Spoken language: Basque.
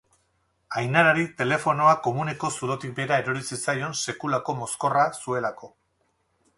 Ainarari telefonoa komuneko zulotik behera erori zitzaion sekulako mozkorra zuelako.